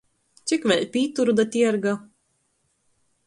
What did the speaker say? Cik vēļ pīturu da tierga?